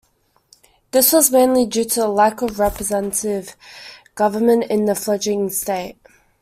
This was mainly due to lack of representative government in the fledgling state.